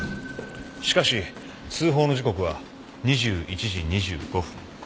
しかし通報の時刻は２１時２５分。